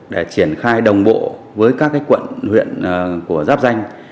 để triển khai đồng bộ với các quận huyện của giáp danh